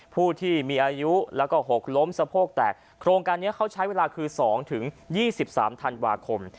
ผู้ที่มีอายุแล้วก็หกล้มสะโพกแตกโครงการเนี้ยเขาใช้เวลาคือสองถึงยี่สิบสามทันวาคม